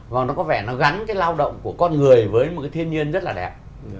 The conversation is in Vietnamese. và nó có vẻ nó gắn cái lao động của con người với một cái thiên nhiên rất là đẹp